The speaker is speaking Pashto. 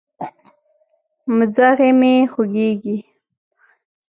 مځغی مي خوږیږي